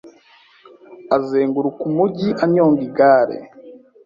azenguruka umujyi anyonga igare